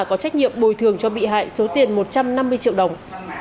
có trách nhiệm bồi thường cho bị hại số tiền một trăm năm mươi triệu đồng